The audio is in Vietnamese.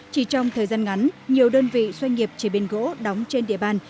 chỉ trong thời gian ngắn nhiều đơn vị doanh nghiệp chế biến gỗ đóng trên địa bàn